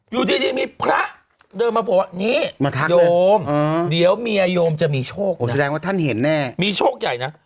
อยู่ดีมีพระเดินมาบอกว่านี่โยมเดี๋ยวเมียโยมจะมีโชคแสดงว่าท่านเห็นแน่มีโชคใหญ่นะ